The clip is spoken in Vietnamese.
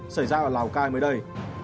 xảy ra ở lào cai mới đây